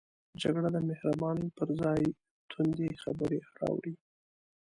جګړه د مهربانۍ پر ځای توندې خبرې راوړي